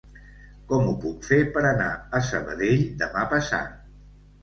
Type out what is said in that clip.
Com ho puc fer per anar a Sabadell demà passat?